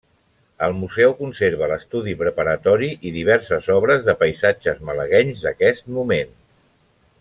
El museu conserva l'estudi preparatori i diverses obres de paisatges malaguenys d'aquest moment.